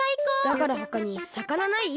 だからほかにさかなない？